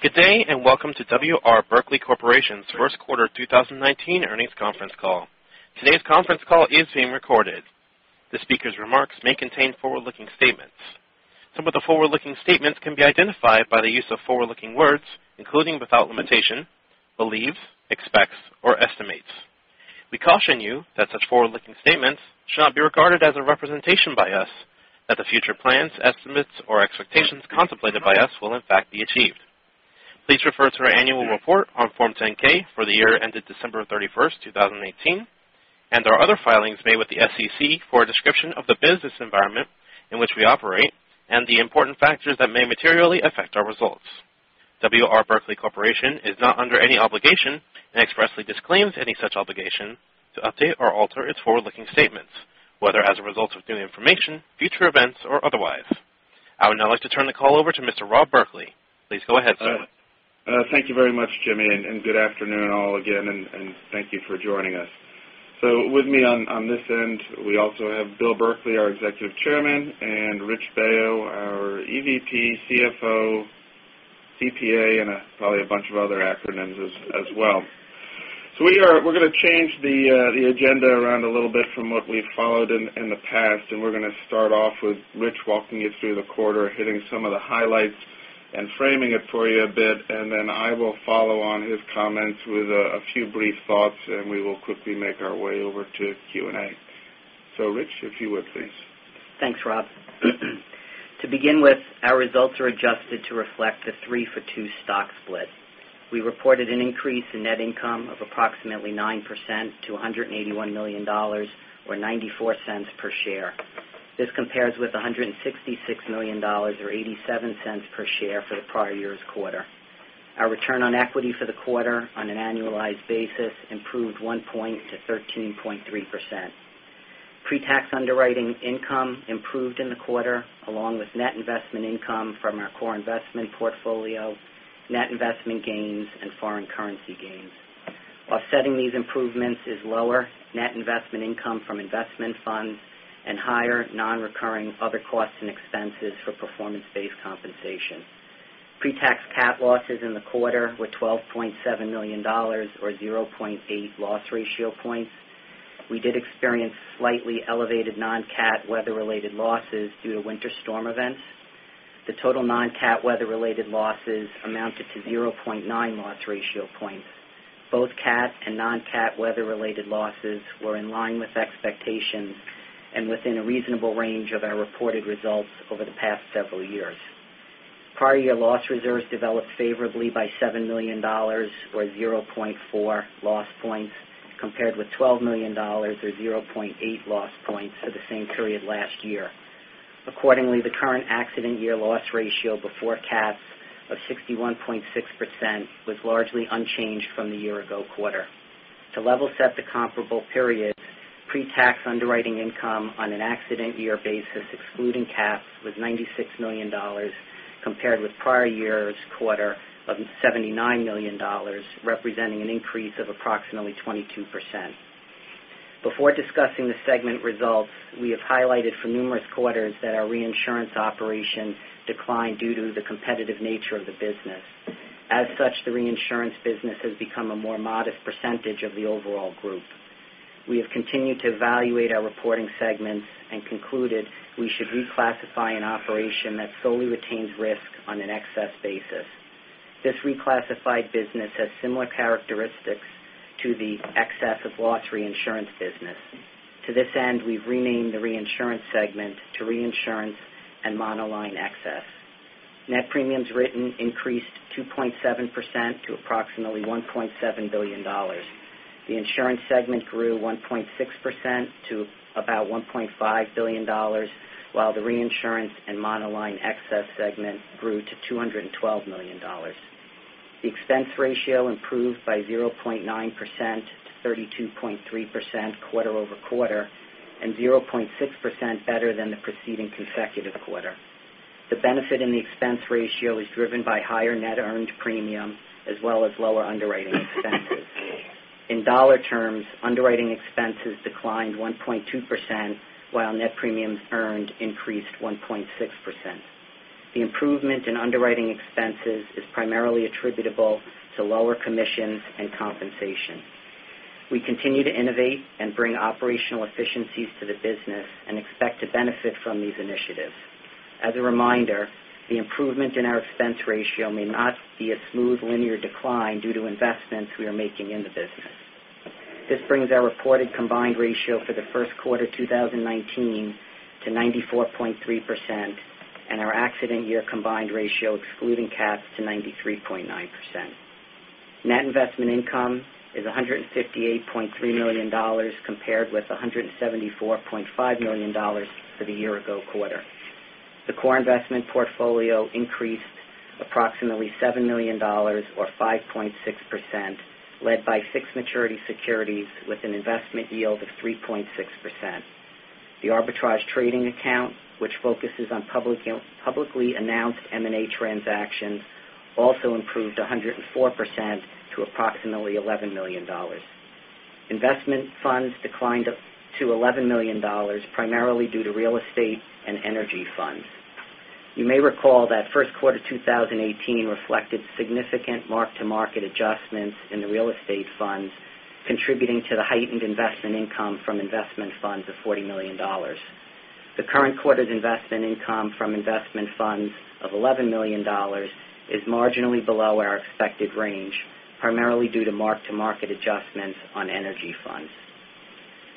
Good day, and welcome to W. R. Berkley Corporation's first quarter 2019 earnings conference call. Today's conference call is being recorded. The speaker's remarks may contain forward-looking statements. Some of the forward-looking statements can be identified by the use of forward-looking words, including, without limitation, believes, expects, or estimates. We caution you that such forward-looking statements should not be regarded as a representation by us that the future plans, estimates, or expectations contemplated by us will in fact be achieved. Please refer to our annual report on Form 10-K for the year ended December 31st, 2018, and our other filings made with the SEC for a description of the business environment in which we operate and the important factors that may materially affect our results. W. R. Berkley Corporation is not under any obligation and expressly disclaims any such obligation to update or alter its forward-looking statements, whether as a result of new information, future events, or otherwise. I would now like to turn the call over to Mr. Rob Berkley. Please go ahead, sir. Thank you very much, Jimmy, and good afternoon all again, and thank you for joining us. With me on this end, we also have Bill Berkley, our Executive Chairman, and Rich Baio, our EVP, CFO, CPA, and probably a bunch of other acronyms as well. We're going to change the agenda around a little bit from what we've followed in the past, and we're going to start off with Rich walking you through the quarter, hitting some of the highlights and framing it for you a bit. Then I will follow on his comments with a few brief thoughts, and we will quickly make our way over to Q&A. Rich, if you would please. Thanks, Rob. To begin with, our results are adjusted to reflect the three-for-two stock split. We reported an increase in net income of approximately 9% to $181 million or $0.94 per share. This compares with $166 million or $0.87 per share for the prior year's quarter. Our return on equity for the quarter on an annualized basis improved one point to 13.3%. Pre-tax underwriting income improved in the quarter, along with net investment income from our core investment portfolio, net investment gains, and foreign currency gains. Offsetting these improvements is lower net investment income from investment funds and higher non-recurring other costs and expenses for performance-based compensation. Pre-tax CAT losses in the quarter were $12.7 million or 0.8 loss ratio points. We did experience slightly elevated non-CAT weather-related losses due to winter storm events. The total non-CAT weather-related losses amounted to 0.9 loss ratio points. Both CAT and non-CAT weather-related losses were in line with expectations and within a reasonable range of our reported results over the past several years. Prior year loss reserves developed favorably by $7 million or 0.4 loss points, compared with $12 million or 0.8 loss points for the same period last year. Accordingly, the current accident year loss ratio before CATs of 61.6% was largely unchanged from the year ago quarter. To level set the comparable period, pre-tax underwriting income on an accident year basis excluding CATs was $96 million, compared with prior year's quarter of $79 million, representing an increase of approximately 22%. Before discussing the segment results, we have highlighted for numerous quarters that our reinsurance operation declined due to the competitive nature of the business. As such, the reinsurance business has become a more modest percentage of the overall group. We have continued to evaluate our reporting segments and concluded we should reclassify an operation that solely retains risk on an excess basis. This reclassified business has similar characteristics to the excess of loss reinsurance business. To this end, we've renamed the reinsurance segment to Reinsurance & Monoline Excess. Net premiums written increased 2.7% to approximately $1.7 billion. The insurance segment grew 1.6% to about $1.5 billion, while the Reinsurance & Monoline Excess segment grew to $212 million. The expense ratio improved by 0.9% to 32.3% quarter-over-quarter and 0.6% better than the preceding consecutive quarter. The benefit in the expense ratio is driven by higher net earned premium as well as lower underwriting expenses. In dollar terms, underwriting expenses declined 1.2%, while net premiums earned increased 1.6%. The improvement in underwriting expenses is primarily attributable to lower commissions and compensation. We continue to innovate and bring operational efficiencies to the business and expect to benefit from these initiatives. As a reminder, the improvement in our expense ratio may not be a smooth linear decline due to investments we are making in the business. This brings our reported combined ratio for the first quarter 2019 to 94.3% and our accident year combined ratio excluding CATs to 93.9%. Net investment income is $158.3 million compared with $174.5 million for the year ago quarter. The core investment portfolio increased approximately $7 million or 5.6%, led by six maturity securities with an investment yield of 3.6%. The arbitrage trading account, which focuses on publicly announced M&A transactions, also improved 104% to approximately $11 million. Investment funds declined to $11 million, primarily due to real estate and energy funds. You may recall that first quarter 2018 reflected significant mark-to-market adjustments in the real estate funds, contributing to the heightened investment income from investment funds of $40 million. The current quarter's investment income from investment funds of $11 million is marginally below our expected range, primarily due to mark-to-market adjustments on energy funds.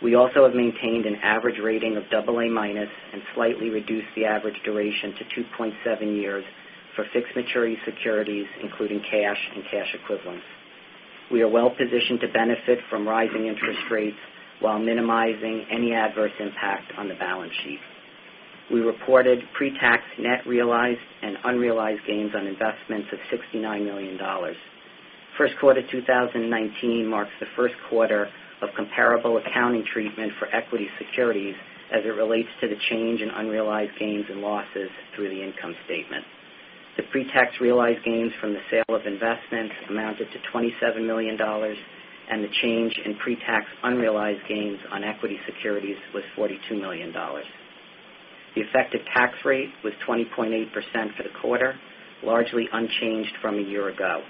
We also have maintained an average rating of double A minus and slightly reduced the average duration to 2.7 years for fixed maturity securities, including cash and cash equivalents. We are well-positioned to benefit from rising interest rates while minimizing any adverse impact on the balance sheet. We reported pre-tax net realized and unrealized gains on investments of $69 million. First quarter 2019 marks the first quarter of comparable accounting treatment for equity securities as it relates to the change in unrealized gains and losses through the income statement. The pre-tax realized gains from the sale of investments amounted to $27 million, and the change in pre-tax unrealized gains on equity securities was $42 million. The effective tax rate was 20.8% for the quarter, largely unchanged from a year ago.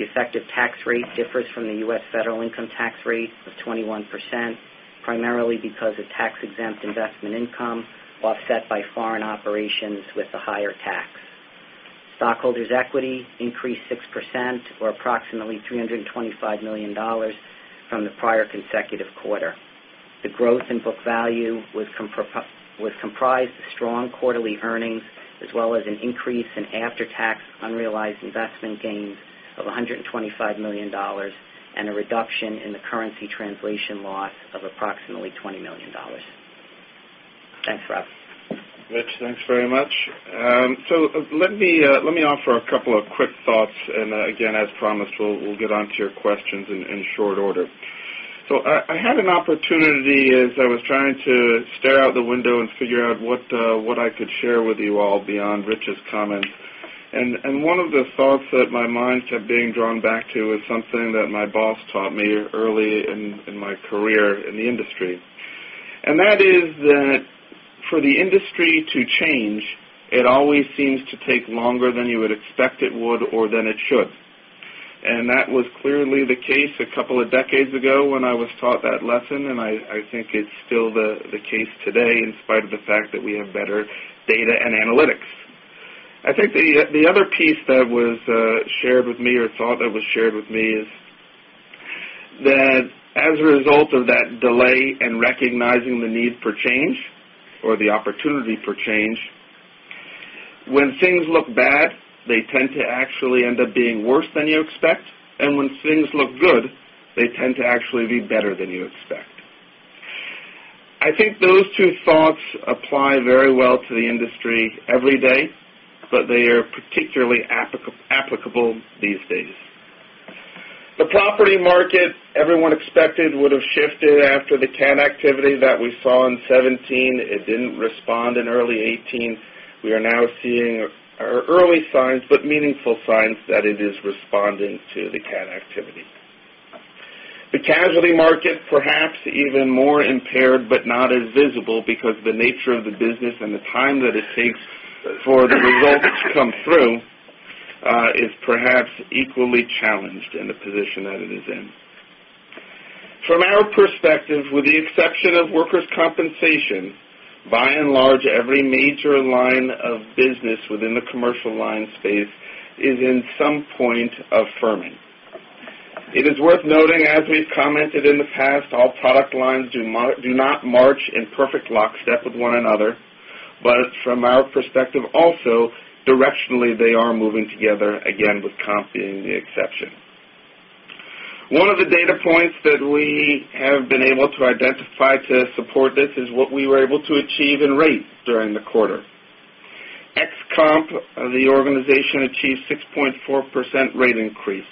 The effective tax rate differs from the U.S. federal income tax rate of 21%, primarily because of tax-exempt investment income offset by foreign operations with a higher tax. Stockholders' equity increased 6% or approximately $325 million from the prior consecutive quarter. The growth in book value was comprised of strong quarterly earnings, as well as an increase in after-tax unrealized investment gains of $125 million and a reduction in the currency translation loss of approximately $20 million. Thanks, Rob. Rich, thanks very much. Let me offer a couple of quick thoughts, again, as promised, we'll get onto your questions in short order. I had an opportunity as I was trying to stare out the window and figure out what I could share with you all beyond Rich's comments. One of the thoughts that my mind kept being drawn back to is something that my boss taught me early in my career in the industry. That is that for the industry to change, it always seems to take longer than you would expect it would or than it should. That was clearly the case a couple of decades ago when I was taught that lesson, and I think it's still the case today in spite of the fact that we have better data and analytics. I think the other piece that was shared with me or thought that was shared with me is that as a result of that delay in recognizing the need for change or the opportunity for change, when things look bad, they tend to actually end up being worse than you expect. When things look good, they tend to actually be better than you expect. I think those two thoughts apply very well to the industry every day, but they are particularly applicable these days. The property market, everyone expected, would have shifted after the cat activity that we saw in 2017. It didn't respond in early 2018. We are now seeing early signs, but meaningful signs that it is responding to the cat activity. The casualty market, perhaps even more impaired but not as visible because the nature of the business and the time that it takes for the results to come through, is perhaps equally challenged in the position that it is in. From our perspective, with the exception of workers' compensation, by and large, every major line of business within the commercial lines space is in some point of firming. It is worth noting, as we've commented in the past, all product lines do not march in perfect lockstep with one another. From our perspective also, directionally, they are moving together again with comp being the exception. One of the data points that we have been able to identify to support this is what we were able to achieve in rates during the quarter. Ex-comp, the organization achieved 6.4% rate increase.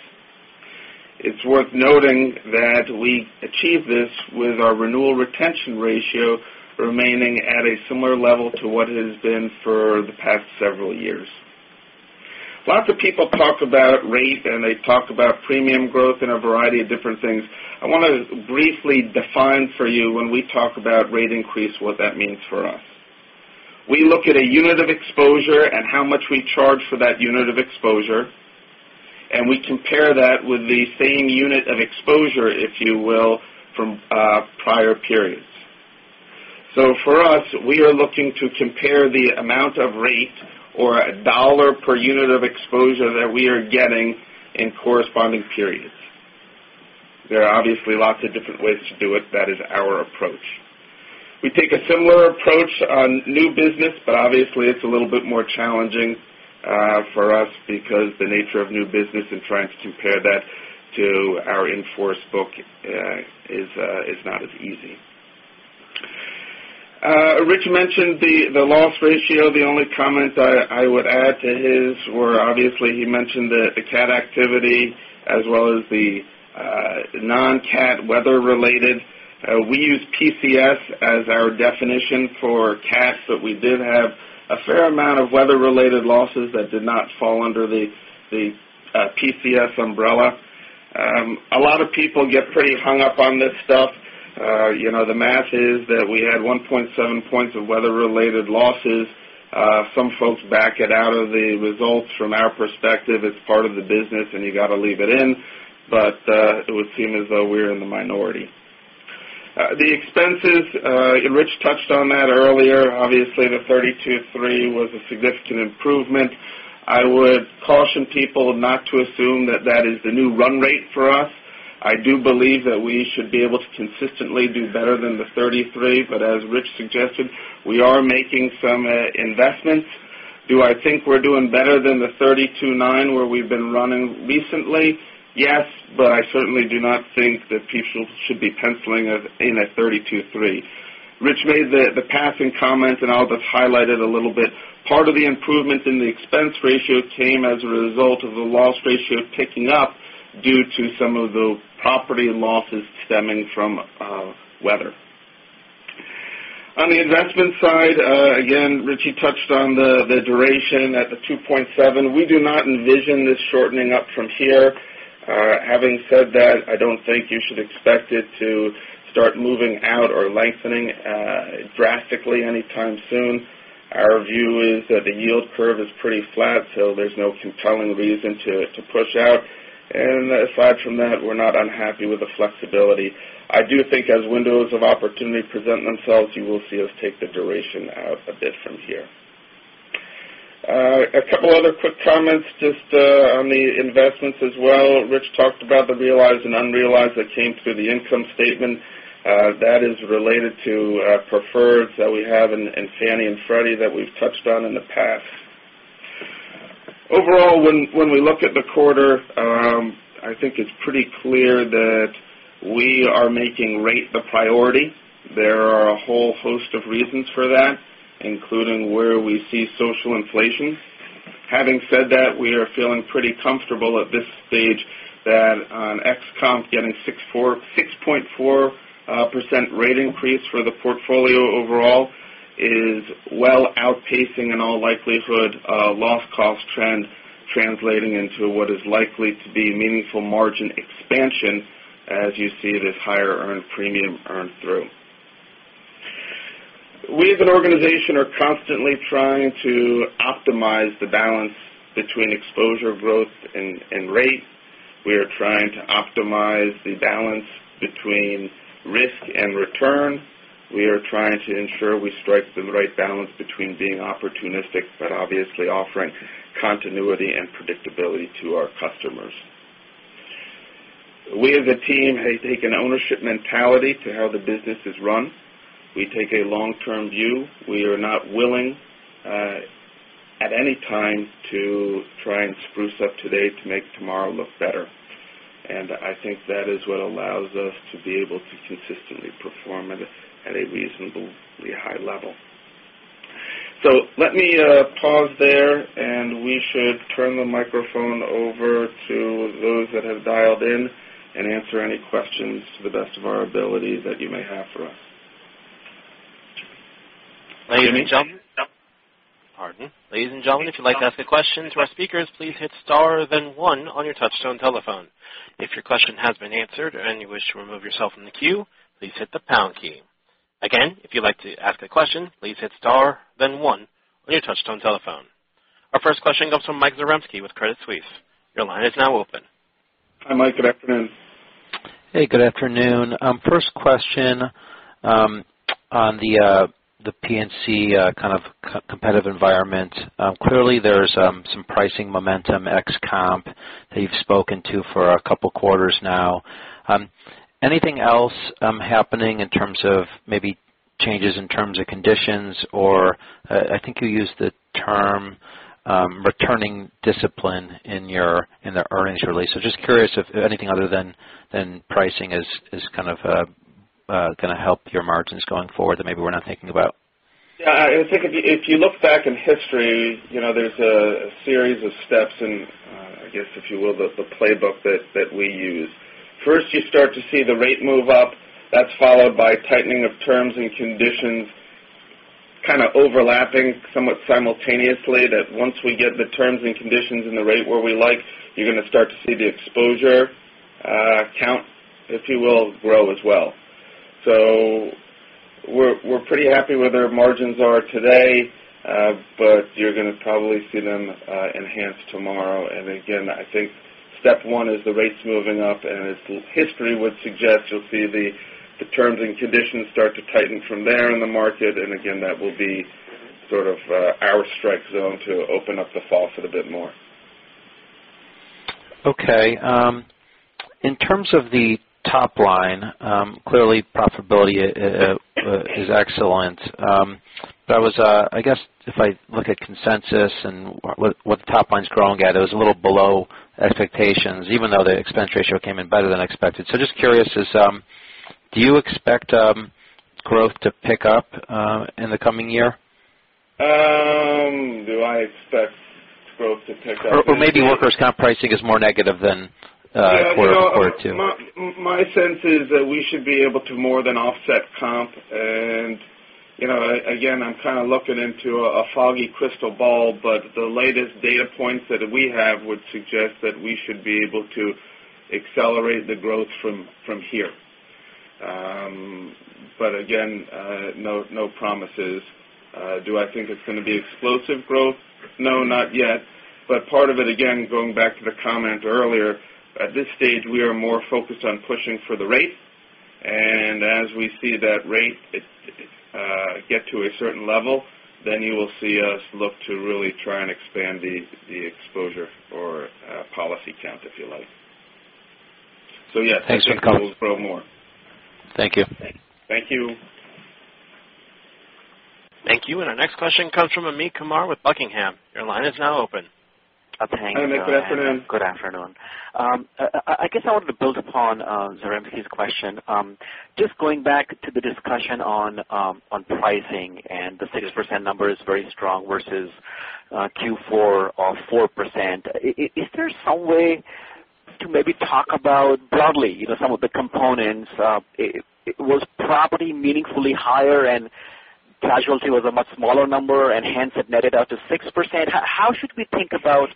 It's worth noting that we achieved this with our renewal retention ratio remaining at a similar level to what it has been for the past several years. Lots of people talk about rate, they talk about premium growth in a variety of different things. I want to briefly define for you when we talk about rate increase, what that means for us. We look at a unit of exposure and how much we charge for that unit of exposure, and we compare that with the same unit of exposure, if you will, from prior periods. For us, we are looking to compare the amount of rate or a $ per unit of exposure that we are getting in corresponding periods. There are obviously lots of different ways to do it. That is our approach. We take a similar approach on new business. Obviously, it's a little bit more challenging for us because the nature of new business and trying to compare that to our in-force book is not as easy. Rich mentioned the loss ratio. The only comment I would add to his were obviously he mentioned the CAT activity as well as the non-CAT weather-related. We use PCS as our definition for CATs, but we did have a fair amount of weather-related losses that did not fall under the PCS umbrella. A lot of people get pretty hung up on this stuff. The math is that we had 1.7 points of weather-related losses. Some folks back it out of the results. From our perspective, it's part of the business and you got to leave it in. It would seem as though we're in the minority. The expenses. Rich touched on that earlier. Obviously, the 32.3% was a significant improvement. I would caution people not to assume that that is the new run rate for us. I do believe that we should be able to consistently do better than the 33%, but as Rich suggested, we are making some investments. Do I think we're doing better than the 32.9% where we've been running recently? Yes, but I certainly do not think that people should be penciling us in at 32.3%. Rich made the passing comment. I'll just highlight it a little bit. Part of the improvement in the expense ratio came as a result of the loss ratio picking up due to some of the property losses stemming from weather. On the investment side, again, Richie touched on the duration at the 2.7. We do not envision this shortening up from here. Having said that, I don't think you should expect it to start moving out or lengthening drastically anytime soon. Our view is that the yield curve is pretty flat, so there's no compelling reason to push out. Aside from that, we're not unhappy with the flexibility. I do think as windows of opportunity present themselves, you will see us take the duration out a bit from here. A couple other quick comments just on the investments as well. Rich talked about the realized and unrealized that came through the income statement. That is related to preferreds that we have in Fannie and Freddie that we've touched on in the past. Overall, when we look at the quarter, I think it's pretty clear that we are making rate the priority. There are a whole host of reasons for that, including where we see social inflation. Having said that, we are feeling pretty comfortable at this stage that on ex-comp, getting 6.4% rate increase for the portfolio overall is well outpacing, in all likelihood, a loss cost trend translating into what is likely to be meaningful margin expansion as you see this higher earned premium earn through. We as an organization are constantly trying to optimize the balance between exposure growth and rate. We are trying to optimize the balance between risk and return. We are trying to ensure we strike the right balance between being opportunistic but obviously offering continuity and predictability to our customers. We as a team take an ownership mentality to how the business is run. We take a long-term view. We are not willing at any time to try and spruce up today to make tomorrow look better. I think that is what allows us to be able to consistently perform at a reasonably high level. Let me pause there, and we should turn the microphone over to those that have dialed in and answer any questions to the best of our ability that you may have for us. Ladies and gentlemen, if you'd like to ask a question to our speakers, please hit star then one on your touch-tone telephone. If your question has been answered and you wish to remove yourself from the queue, please hit the pound key. Again, if you'd like to ask a question, please hit star then one on your touch-tone telephone. Our first question comes from Michael Zaremski with Credit Suisse. Your line is now open. Hi, Mike. Good afternoon. Hey, good afternoon. First question on the P&C kind of competitive environment. Clearly, there's some pricing momentum ex comp that you've spoken to for a couple of quarters now. Anything else happening in terms of maybe changes in terms of conditions, or I think you used the term returning discipline in the earnings release? Just curious if anything other than pricing is kind of going to help your margins going forward that maybe we're not thinking about. Yeah, I think if you look back in history, there's a series of steps and, I guess, if you will, the playbook that we use. First, you start to see the rate move up. That's followed by tightening of terms and conditions kind of overlapping somewhat simultaneously, that once we get the terms and conditions and the rate where we like, you're going to start to see the exposure count, if you will, grow as well. We're pretty happy where their margins are today, but you're going to probably see them enhance tomorrow. Again, I think step one is the rates moving up, and as history would suggest, you'll see the terms and conditions start to tighten from there in the market. Again, that will be sort of our strike zone to open up the faucet a bit more. Okay. In terms of the top line, clearly profitability is excellent. I guess if I look at consensus and what the top line's growing at, it was a little below expectations, even though the expense ratio came in better than expected. Just curious, do you expect growth to pick up in the coming year? Do I expect growth to pick up? Maybe workers' comp pricing is more negative than Q4 too. My sense is that we should be able to more than offset comp. Again, I'm kind of looking into a foggy crystal ball, the latest data points that we have would suggest that we should be able to accelerate the growth from here. Again, no promises. Do I think it's going to be explosive growth? No, not yet. Part of it, again, going back to the comment earlier, at this stage, we are more focused on pushing for the rate, and as we see that rate get to a certain level, then you will see us look to really try and expand the exposure or policy count, if you like. Yes. Thanks for the comment. We'll grow more. Thank you. Thank you. Thank you. Our next question comes from Amit Kumar with Buckingham. Your line is now open. Hi, Amit. Good afternoon. Good afternoon. I guess I wanted to build upon Zaremski's question. Just going back to the discussion on pricing and the 6% number is very strong versus Q4 of 4%. Is there some way to maybe talk about, broadly, some of the components. Was property meaningfully higher and casualty was a much smaller number, and hence it netted out to 6%? How should we think about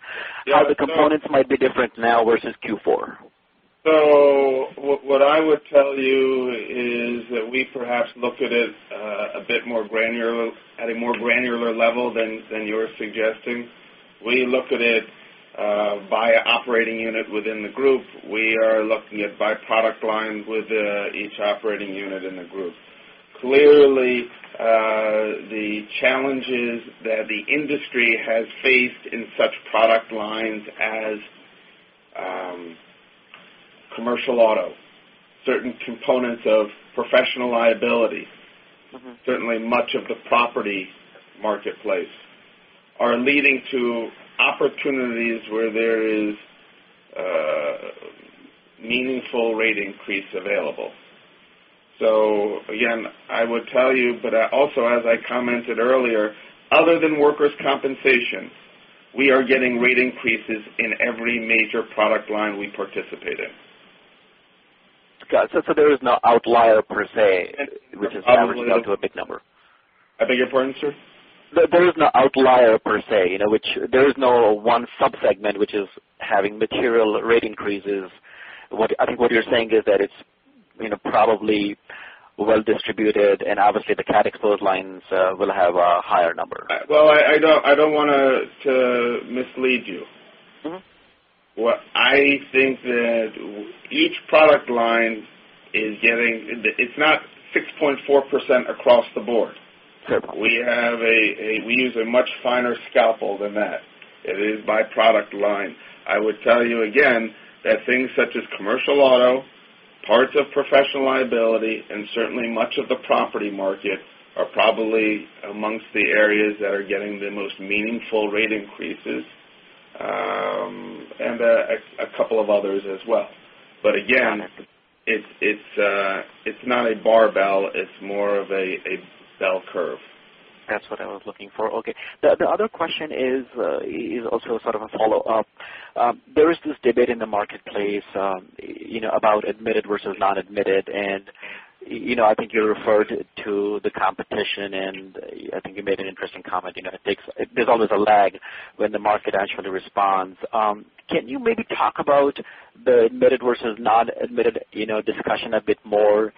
how the components might be different now versus Q4? What I would tell you is that we perhaps look at it at a more granular level than you're suggesting. We look at it via operating unit within the group. We are looking at by product line with each operating unit in the group. Clearly, the challenges that the industry has faced in such product lines as commercial auto, certain components of professional liability, certainly much of the property marketplace, are leading to opportunities where there is meaningful rate increase available. Again, I would tell you, but also as I commented earlier, other than workers' compensation, we are getting rate increases in every major product line we participate in. Got it. There is no outlier per se which is averaging out to a big number. I beg your pardon, sir? There is no outlier per se. There is no one sub-segment which is having material rate increases. I think what you're saying is that it's probably well distributed and obviously the CAT exposed lines will have a higher number. Well, I don't want to mislead you. I think that each product line, it's not 6.4% across the board. Sure. We use a much finer scalpel than that. It is by product line. I would tell you again that things such as commercial auto, parts of professional liability, and certainly much of the property market are probably amongst the areas that are getting the most meaningful rate increases, and a couple of others as well. Again, it's not a barbell, it's more of a bell curve. That's what I was looking for. Okay. The other question is also sort of a follow-up. There is this debate in the marketplace about admitted versus non-admitted, and I think you referred to the competition and I think you made an interesting comment. There's always a lag when the market actually responds. Can you maybe talk about the admitted versus non-admitted discussion a bit more?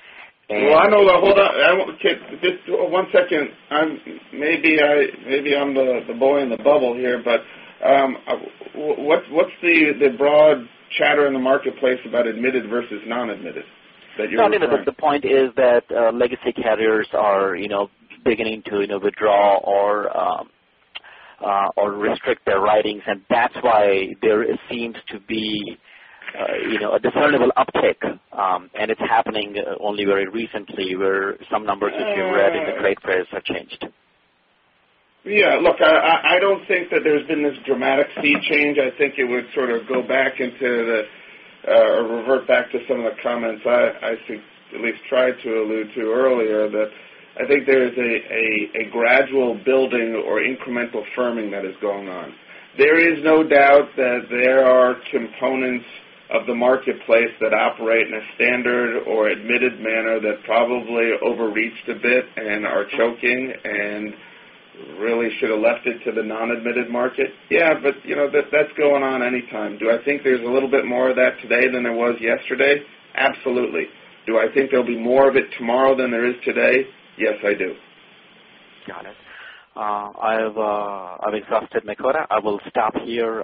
Well, hold on one second. Maybe I'm the boy in the bubble here, but what's the broad chatter in the marketplace about admitted versus non-admitted that you're referring to? No, the point is that legacy carriers are beginning to withdraw or restrict their writings, and that's why there seems to be a discernible uptick. It's happening only very recently, where some numbers that you read, the rate parameters have changed. Yeah, look, I don't think that there's been this dramatic speed change. I think it would sort of revert back to some of the comments I at least tried to allude to earlier, that I think there's a gradual building or incremental firming that is going on. There is no doubt that there are components of the marketplace that operate in a standard or admitted manner that probably overreached a bit and are choking and really should have left it to the non-admitted market. Yeah, that's going on anytime. Do I think there's a little bit more of that today than there was yesterday? Absolutely. Do I think there'll be more of it tomorrow than there is today? Yes, I do. Got it. I've exhausted my quota. I will stop here.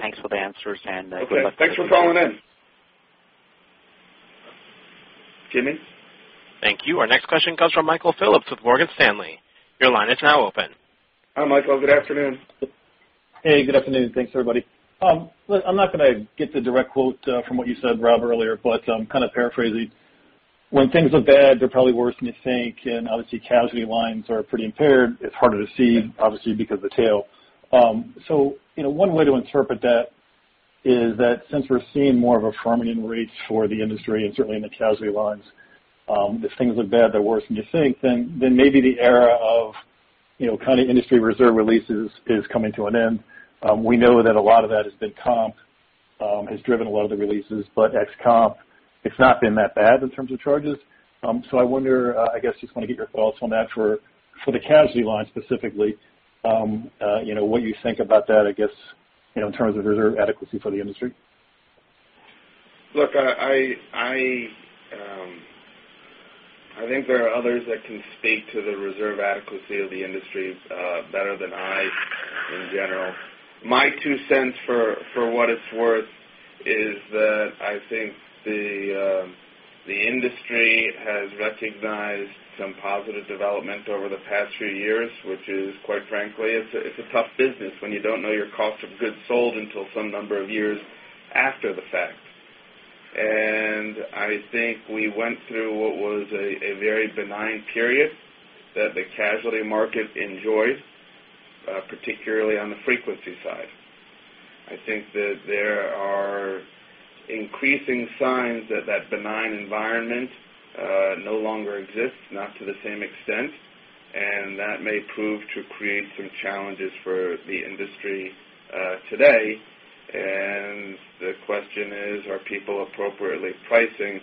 Thanks for the answers and good luck to you. Okay. Thanks for calling in. Jimmy? Thank you. Our next question comes from Michael Phillips with Morgan Stanley. Your line is now open. Hi, Michael. Good afternoon. Hey, good afternoon. Thanks, everybody. I'm not going to get the direct quote from what you said, Rob, earlier, but kind of paraphrasing. When things look bad, they're probably worse than you think, and obviously, casualty lines are pretty impaired. It's harder to see, obviously, because of the tail. One way to interpret that Is that since we're seeing more of a firming in rates for the industry, and certainly in the casualty lines, if things look bad, they're worse than you think, then maybe the era of kind of industry reserve releases is coming to an end. We know that a lot of that has been comp, has driven a lot of the releases, but ex comp, it's not been that bad in terms of charges. I wonder, I guess, just want to get your thoughts on that for the casualty line specifically, what you think about that, I guess, in terms of reserve adequacy for the industry. Look, I think there are others that can speak to the reserve adequacy of the industry better than I in general. My two cents for what it's worth is that I think the industry has recognized some positive development over the past few years, which is, quite frankly, it's a tough business when you don't know your cost of goods sold until some number of years after the fact. I think we went through what was a very benign period that the casualty market enjoyed, particularly on the frequency side. I think that there are increasing signs that that benign environment no longer exists, not to the same extent, and that may prove to create some challenges for the industry today. The question is, are people appropriately pricing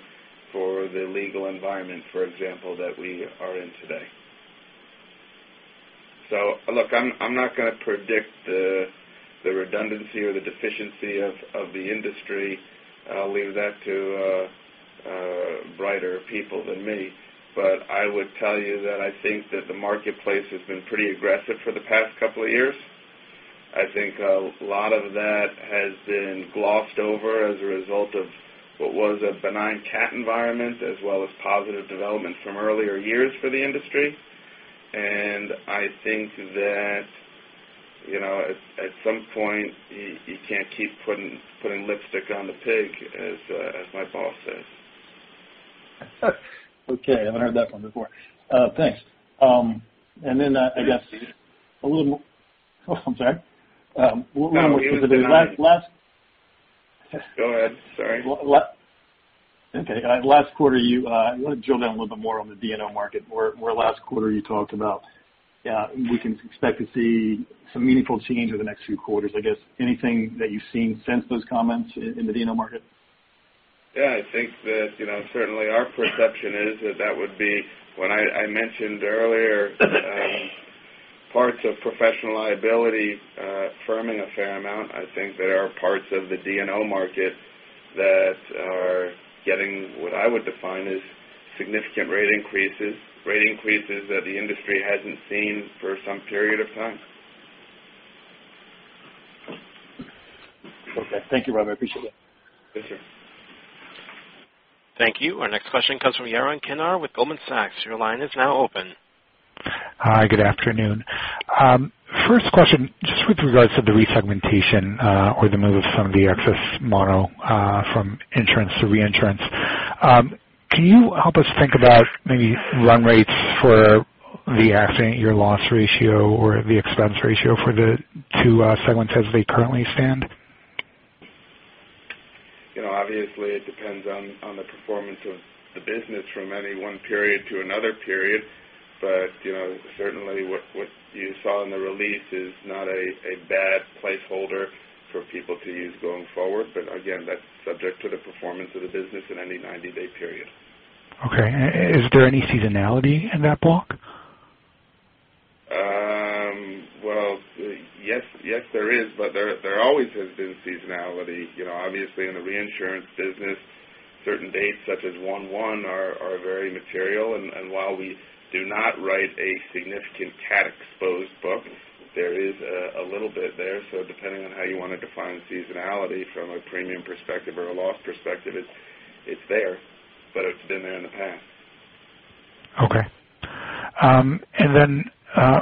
for the legal environment, for example, that we are in today? Look, I'm not going to predict the redundancy or the deficiency of the industry. I'll leave that to brighter people than me. I would tell you that I think that the marketplace has been pretty aggressive for the past couple of years. I think a lot of that has been glossed over as a result of what was a benign CAT environment, as well as positive development from earlier years for the industry. I think that, at some point, you can't keep putting lipstick on the pig, as my boss says. Okay, I haven't heard that one before. Thanks. Then, I guess. Oh, I'm sorry. Go ahead. Sorry. Okay. Last quarter, I want to drill down a little bit more on the D&O market, where last quarter you talked about we can expect to see some meaningful change over the next few quarters, I guess. Anything that you've seen since those comments in the D&O market? Yeah, I think that certainly our perception is that that would be, when I mentioned earlier parts of professional liability firming a fair amount, I think there are parts of the D&O market that are getting what I would define as significant rate increases. Rate increases that the industry hasn't seen for some period of time. Okay. Thank you, Rob. I appreciate that. Thank you. Thank you. Our next question comes from Yaron Kinar with Goldman Sachs. Your line is now open. Hi, good afternoon. First question, just with regards to the resegmentation, or the move of some of the excess mono from insurance to reinsurance. Can you help us think about maybe run rates for the accident year loss ratio or the expense ratio for the two segments as they currently stand? Obviously, it depends on the performance of the business from any one period to another period. Certainly what you saw in the release is not a bad placeholder for people to use going forward. Again, that's subject to the performance of the business in any 90-day period. Okay. Is there any seasonality in that block? Well, yes, there is, but there always has been seasonality. Obviously in the reinsurance business, certain dates such as 1/1 are very material, and while we do not write a significant CAT exposed book, there is a little bit there. Depending on how you want to define seasonality from a premium perspective or a loss perspective, it's there, but it's been there in the past. Okay. Then,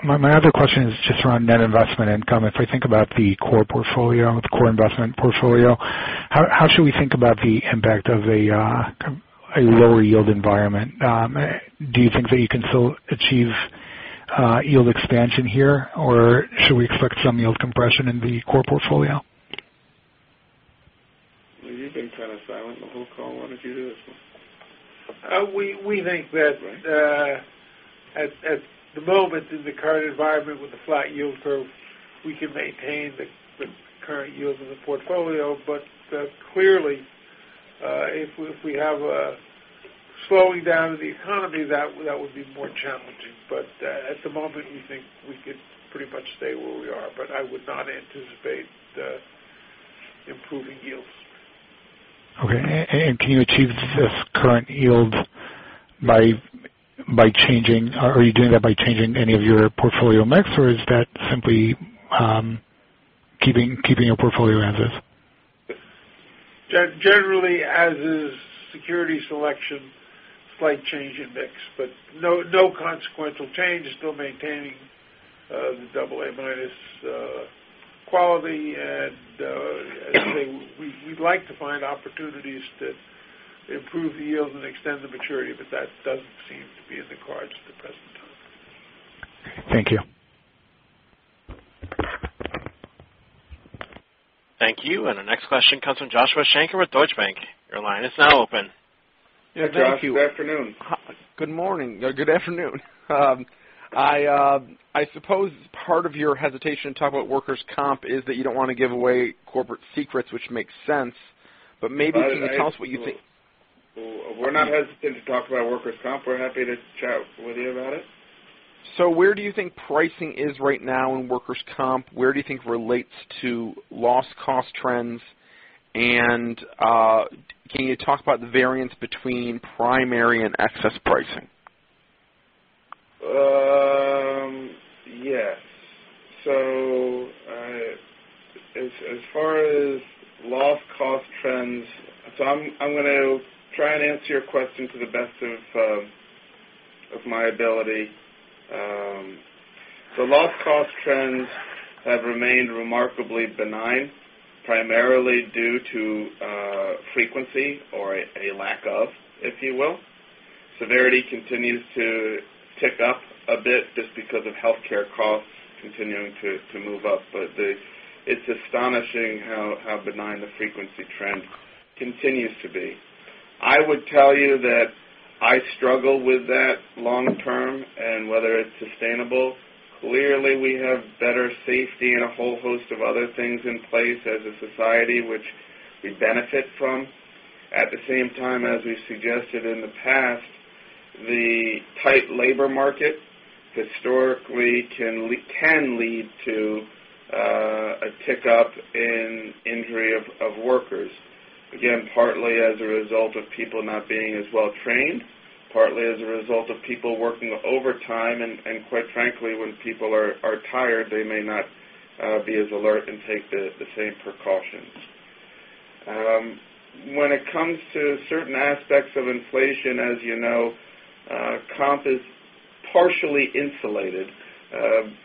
my other question is just around net investment income. If I think about the core portfolio, the core investment portfolio, how should we think about the impact of a lower yield environment? Do you think that you can still achieve yield expansion here, or should we expect some yield compression in the core portfolio? Well, you've been kind of silent the whole call. Why don't you do this one? We think that at the moment in the current environment with the flat yield curve, we can maintain the current yield in the portfolio. Clearly, if we have a slowing down of the economy, that would be more challenging. At the moment, we think we could pretty much stay where we are. I would not anticipate improving yields. Okay. Can you achieve this current yield? Are you doing that by changing any of your portfolio mix, or is that simply keeping your portfolio as is? Generally as is. Security selection, slight change in mix, but no consequential change. Still maintaining the double A-minus quality. As I say, we'd like to find opportunities to improve the yield and extend the maturity, but that doesn't seem to be in the cards at the present time. Thank you. Thank you. Our next question comes from Joshua Shanker with Deutsche Bank. Your line is now open. Yeah. Thank you. Josh, good afternoon. Good morning. Good afternoon. I suppose part of your hesitation to talk about workers' comp is that you don't want to give away corporate secrets, which makes sense. Maybe can you tell us what you think. We're not hesitant to talk about workers' comp. We're happy to chat with you about it. Where do you think pricing is right now in workers' comp? Where do you think relates to loss cost trends? Can you talk about the variance between primary and excess pricing? Yes. As far as loss cost trends, I'm going to try and answer your question to the best of my ability. Loss cost trends have remained remarkably benign, primarily due to frequency or a lack of, if you will. Severity continues to tick up a bit just because of healthcare costs continuing to move up. It's astonishing how benign the frequency trend continues to be. I would tell you that I struggle with that long term and whether it's sustainable. Clearly, we have better safety and a whole host of other things in place as a society, which we benefit from. At the same time, as we've suggested in the past, the tight labor market historically can lead to a tick up in injury of workers. Partly as a result of people not being as well trained, partly as a result of people working overtime, quite frankly, when people are tired, they may not be as alert and take the same precautions. When it comes to certain aspects of inflation, as you know, comp is partially insulated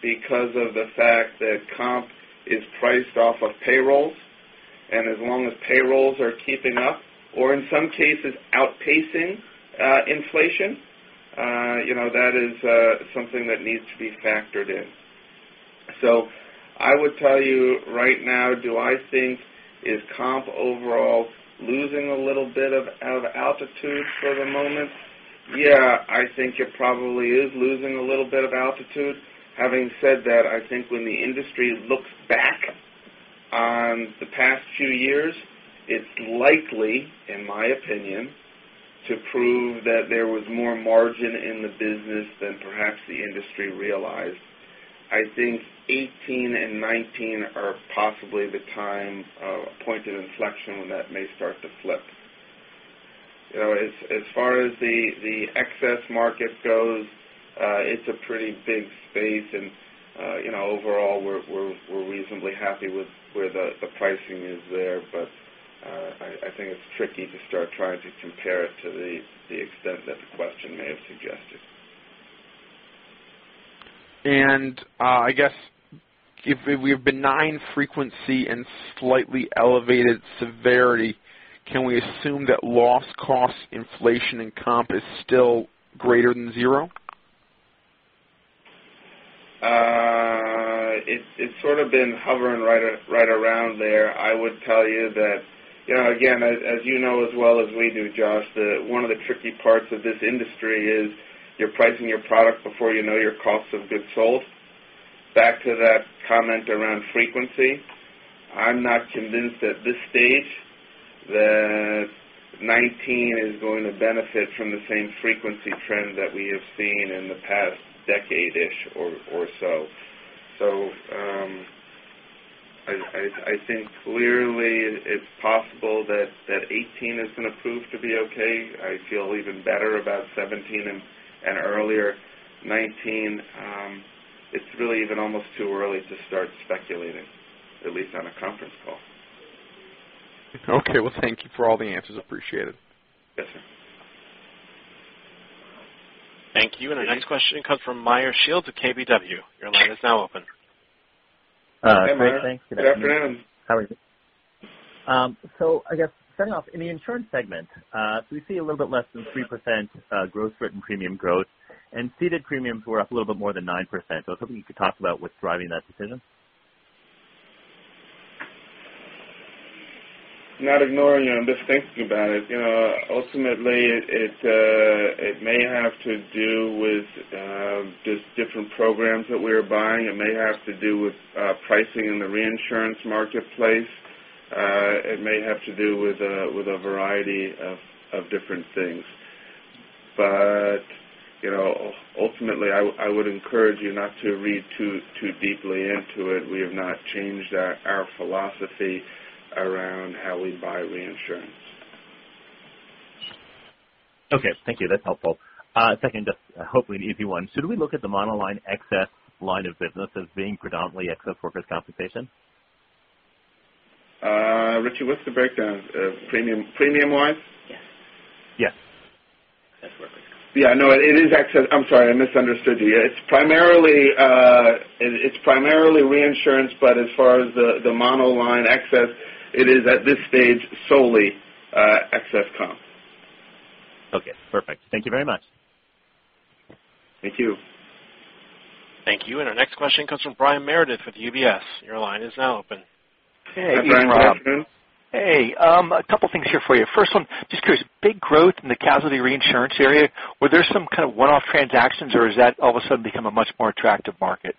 because of the fact that comp is priced off of payrolls. As long as payrolls are keeping up or in some cases outpacing inflation, that is something that needs to be factored in. I would tell you right now, do I think is comp overall losing a little bit of altitude for the moment? Yeah, I think it probably is losing a little bit of altitude. Having said that, I think when the industry looks back on the past few years, it's likely, in my opinion, to prove that there was more margin in the business than perhaps the industry realized. I think 2018 and 2019 are possibly the time, a point of inflection when that may start to flip. As far as the excess market goes, it's a pretty big space and overall, we're reasonably happy with where the pricing is there. I think it's tricky to start trying to compare it to the extent that the question may have suggested. I guess if we have benign frequency and slightly elevated severity, can we assume that loss cost inflation in comp is still greater than zero? It's sort of been hovering right around there. I would tell you that, again, as you know as well as we do, Josh, that one of the tricky parts of this industry is you're pricing your product before you know your cost of goods sold. Back to that comment around frequency, I'm not convinced at this stage that 2019 is going to benefit from the same frequency trend that we have seen in the past decade-ish or so. I think clearly it's possible that 2018 is going to prove to be okay. I feel even better about 2017 and earlier. 2019, it's really even almost too early to start speculating, at least on a conference call. Okay. Well, thank you for all the answers. Appreciate it. Yes, sir. Thank you. Our next question comes from Meyer Shields of KBW. Your line is now open. Hey, Meyer. Good afternoon. How are you? I guess starting off, in the insurance segment, we see a little bit less than 3% gross written premium growth, and ceded premiums were up a little bit more than 9%. I was hoping you could talk about what's driving that decision. Not ignoring you, I'm just thinking about it. Ultimately, it may have to do with just different programs that we're buying. It may have to do with pricing in the reinsurance marketplace. It may have to do with a variety of different things. Ultimately, I would encourage you not to read too deeply into it. We have not changed our philosophy around how we buy reinsurance. Okay. Thank you. That's helpful. Second, just hopefully an easy one. Should we look at the Monoline Excess line of business as being predominantly excess workers' compensation? Rich, what's the breakdown, premium-wise? Yes. Yes. Yeah, no, it is excess. I'm sorry, I misunderstood you. It's The insurance, but as far as the Monoline Excess, it is at this stage, solely excess comp. Okay, perfect. Thank you very much. Thank you. Thank you. Our next question comes from Brian Meredith with UBS. Your line is now open. Hey, Brian. How are you doing? Hey. A couple of things here for you. First one, just curious, big growth in the casualty reinsurance area. Were there some kind of one-off transactions, or has that all of a sudden become a much more attractive market?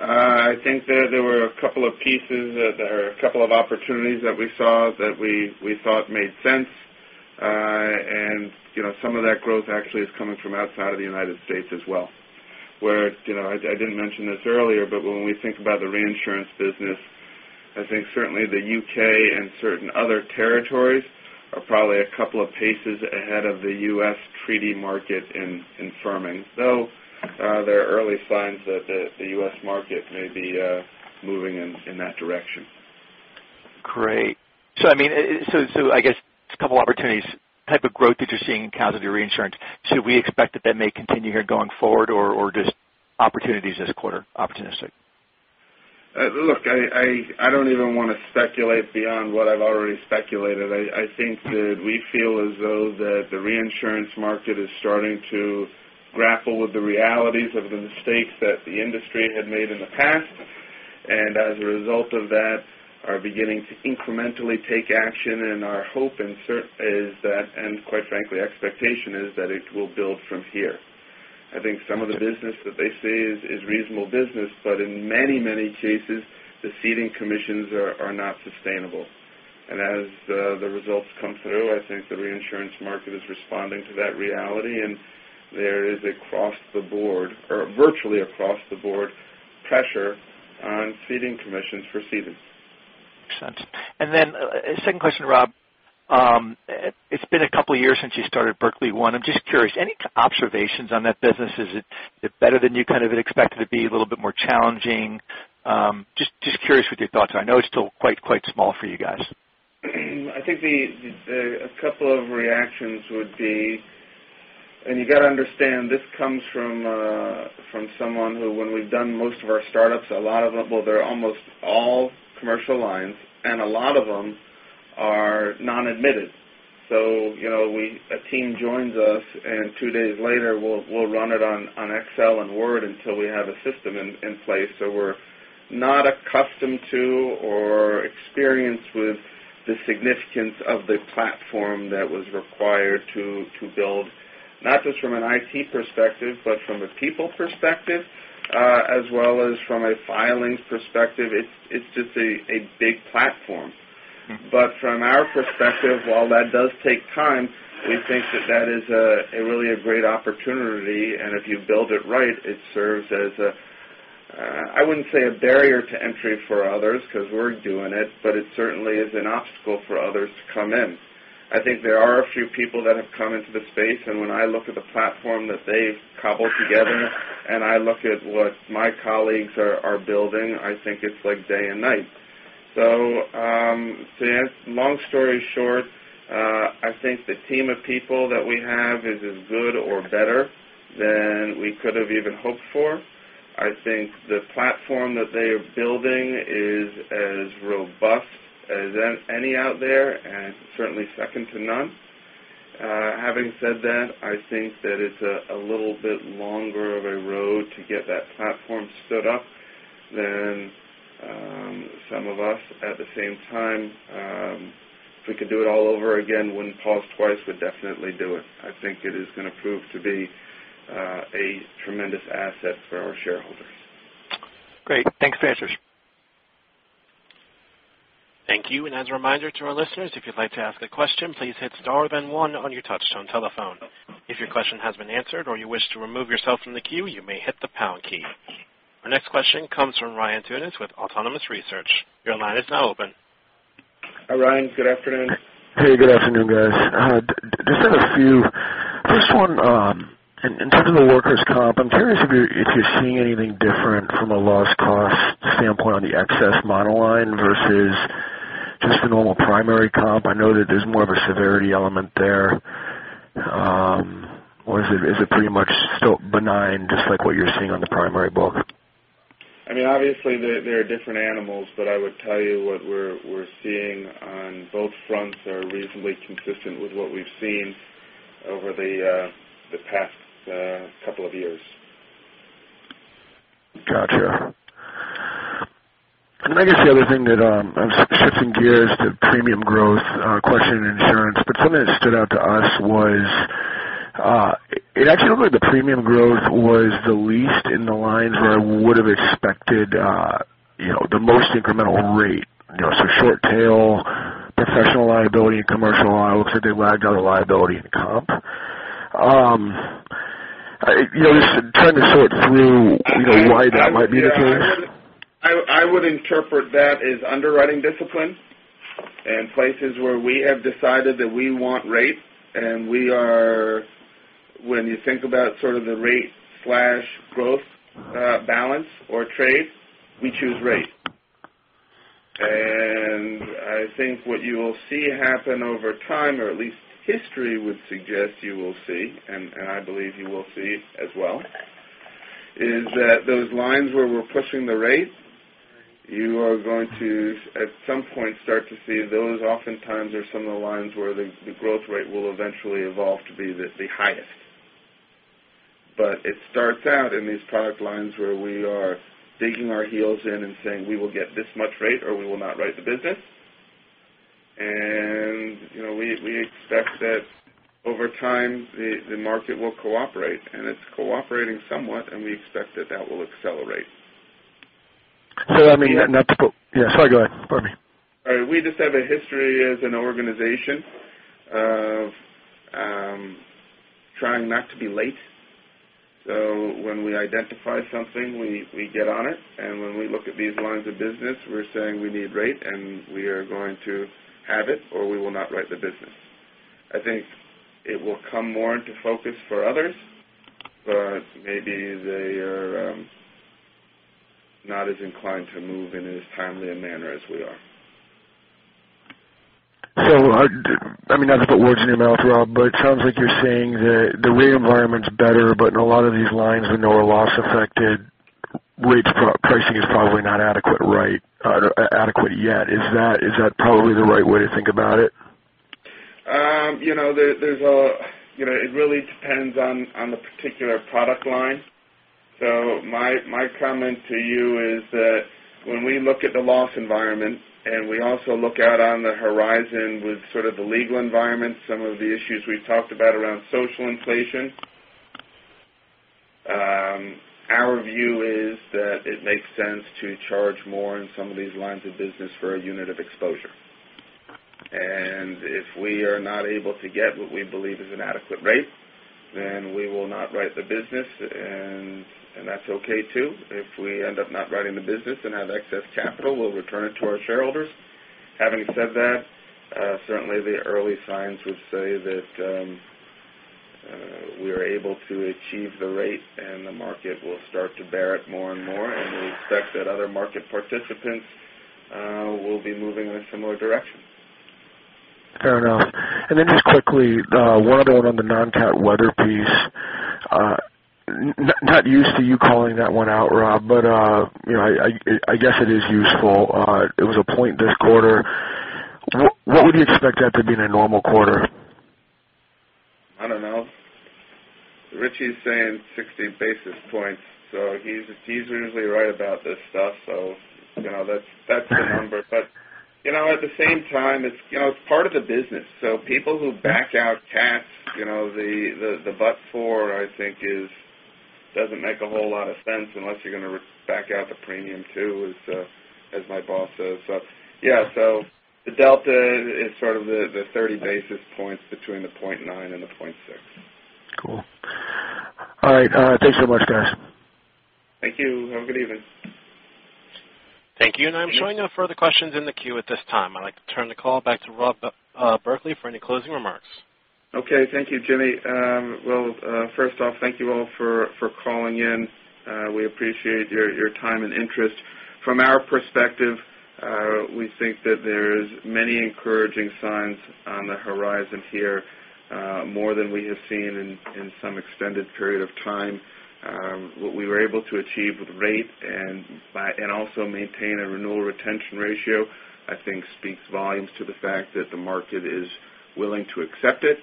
I think there were a couple of pieces that are a couple of opportunities that we saw that we thought made sense. Some of that growth actually is coming from outside of the U.S. as well, where, I didn't mention this earlier, but when we think about the reinsurance business, I think certainly the U.K. and certain other territories are probably a couple of paces ahead of the U.S. treaty market in firming, though, there are early signs that the U.S. market may be moving in that direction. Great. I guess it's a couple of opportunities, type of growth that you're seeing in casualty reinsurance. Should we expect that that may continue here going forward, or just opportunities this quarter, opportunistically? Look, I don't even want to speculate beyond what I've already speculated. I think that we feel as though that the reinsurance market is starting to grapple with the realities of the mistakes that the industry had made in the past, and as a result of that, are beginning to incrementally take action, and our hope and quite frankly, expectation is that it will build from here. I think some of the business that they see is reasonable business, but in many, many cases, the ceding commissions are not sustainable. As the results come through, I think the reinsurance market is responding to that reality, and there is across the board, or virtually across the board, pressure on ceding commissions for ceding. Makes sense. Then second question, Rob. It's been a couple of years since you started Berkley One. I'm just curious, any observations on that business? Is it better than you kind of had expected it be? A little bit more challenging? Just curious what your thoughts are. I know it's still quite small for you guys. I think a couple of reactions would be, you got to understand, this comes from someone who, when we've done most of our startups, a lot of them, well, they're almost all commercial lines, and a lot of them are non-admitted. A team joins us, and two days later, we'll run it on Excel and Word until we have a system in place. We're not accustomed to or experienced with the significance of the platform that was required to build, not just from an IT perspective, but from a people perspective, as well as from a filings perspective. It's just a big platform. From our perspective, while that does take time, we think that that is really a great opportunity, and if you build it right, it serves as a, I wouldn't say a barrier to entry for others because we're doing it, but it certainly is an obstacle for others to come in. I think there are a few people that have come into the space, and when I look at the platform that they've cobbled together, and I look at what my colleagues are building, I think it's like day and night. To that, long story short, I think the team of people that we have is as good or better than we could have even hoped for. I think the platform that they are building is as robust as any out there, and certainly second to none. Having said that, I think that it's a little bit longer of a road to get that platform stood up than some of us. At the same time, if we could do it all over again, wouldn't pause twice, would definitely do it. I think it is going to prove to be a tremendous asset for our shareholders. Great. Thanks for the answers. Thank you. As a reminder to our listeners, if you'd like to ask a question, please hit star then one on your touchtone telephone. If your question has been answered or you wish to remove yourself from the queue, you may hit the pound key. Our next question comes from Ryan Tunis with Autonomous Research. Your line is now open. Hi, Ryan. Good afternoon. Hey. Good afternoon, guys. Just had a few. First one, in terms of the workers' comp, I'm curious if you're seeing anything different from a loss cost standpoint on the excess monoline versus just the normal primary comp. I know that there's more of a severity element there. Is it pretty much still benign, just like what you're seeing on the primary book? I mean, obviously, they are different animals, I would tell you what we're seeing on both fronts are reasonably consistent with what we've seen over the past couple of years. Got you. I guess the other thing that, shifting gears to premium growth, a question in insurance, something that stood out to us was, it actually looked like the premium growth was the least in the lines where I would have expected the most incremental rate. Short tail, professional liability, and commercial liability, it looks like they lagged out of liability and comp. Just trying to sort through why that might be the case. I would interpret that as underwriting discipline and places where we have decided that we want rate. When you think about sort of the rate/growth balance or trade, we choose rate. I think what you will see happen over time, or at least history would suggest you will see, and I believe you will see as well, is that those lines where we're pushing the rate, you are going to, at some point, start to see those oftentimes are some of the lines where the growth rate will eventually evolve to be the highest. It starts out in these product lines where we are digging our heels in and saying, "We will get this much rate, or we will not write the business." We expect that over time, the market will cooperate, and it's cooperating somewhat, and we expect that that will accelerate. I mean, Yeah, sorry, go ahead. Pardon me. All right. We just have a history as an organization of trying not to be late. When we identify something, we get on it, and when we look at these lines of business, we're saying we need rate, and we are going to have it, or we will not write the business. I think it will come more into focus for others, but maybe they are not as inclined to move in as timely a manner as we are. Not to put words in your mouth, Rob, but it sounds like you're saying that the rate environment's better, but in a lot of these lines we know are loss-affected, rates pricing is probably not adequate yet. Is that probably the right way to think about it? It really depends on the particular product line. My comment to you is that when we look at the loss environment, and we also look out on the horizon with sort of the legal environment, some of the issues we've talked about around social inflation, our view is that it makes sense to charge more on some of these lines of business for a unit of exposure. If we are not able to get what we believe is an adequate rate, then we will not write the business, and that's okay, too. If we end up not writing the business and have excess capital, we'll return it to our shareholders. Having said that, certainly the early signs would say that we are able to achieve the rate, and the market will start to bear it more and more, and we expect that other market participants will be moving in a similar direction. Fair enough. Just quickly, one other one on the non-CAT weather piece. Not used to you calling that one out, Rob, but I guess it is useful. It was a point this quarter. What would you expect that to be in a normal quarter? I don't know. Richie is saying 60 basis points, so he's usually right about this stuff, so that's the number. At the same time, it's part of the business. People who back out CATs, the but for, I think, doesn't make a whole lot of sense unless you're going to back out the premium, too, as my boss says. Yeah. The delta is sort of the 30 basis points between the .9 and the .6. Cool. All right. Thanks so much, guys. Thank you. Have a good evening. Thank you. I'm showing no further questions in the queue at this time. I'd like to turn the call back to Rob Berkley for any closing remarks. Okay. Thank you, Jimmy. First off, thank you all for calling in. We appreciate your time and interest. From our perspective, we think that there's many encouraging signs on the horizon here, more than we have seen in some extended period of time. What we were able to achieve with rate and also maintain a renewal retention ratio, I think, speaks volumes to the fact that the market is willing to accept it,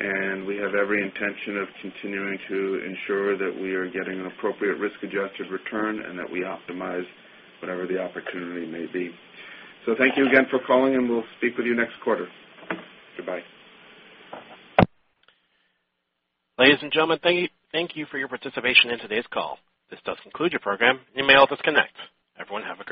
and we have every intention of continuing to ensure that we are getting an appropriate risk-adjusted return and that we optimize whatever the opportunity may be. Thank you again for calling, and we'll speak with you next quarter. Goodbye. Ladies and gentlemen, thank you for your participation in today's call. This does conclude your program. You may all disconnect. Everyone have a great day.